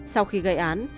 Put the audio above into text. sau khi gây án